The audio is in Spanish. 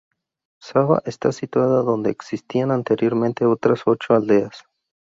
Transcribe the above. Csaba está situada donde existían anteriormente otras ocho aldeas.